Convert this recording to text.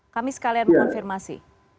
kami sekalian mengonfirmasi